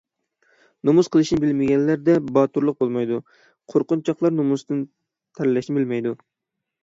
نومۇس قىلىشنى بىلمىگەنلەردە باتۇرلۇق بولمايدۇ. قۇرقۇنچاقلار نومۇستىن تەرلەشنى بىلمەيدۇ.